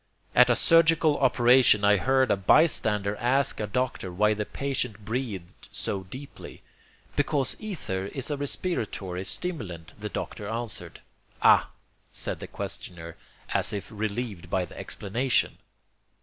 At a surgical operation I heard a bystander ask a doctor why the patient breathed so deeply. "Because ether is a respiratory stimulant," the doctor answered. "Ah!" said the questioner, as if relieved by the explanation.